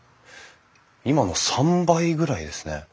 今の３倍ぐらいですね。